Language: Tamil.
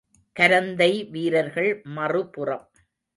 கரந்தை வீரர்கள் மறுபுறம்.